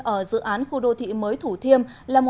ở dự án khu đô thị mới thủ thiêm